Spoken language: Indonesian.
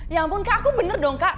ya ampun kak aku bener dong kak